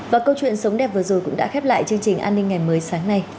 và câu chuyện sống đẹp vừa rồi cũng đã khép lại chương trình an ninh ngày mới sáng nay